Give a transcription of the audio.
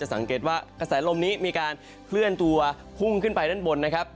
สังเกตว่ากระแสลมนี้มีการเคลื่อนตัวพุ่งขึ้นไปด้านบนนะครับ